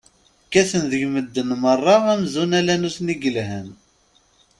Kkaten deg medden meṛṛa amzun ala nutni i yelhan.